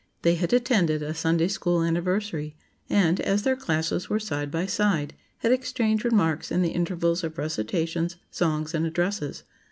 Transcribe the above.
They had attended a Sunday school anniversary, and, as their classes were side by side, had exchanged remarks in the intervals of recitations, songs and addresses.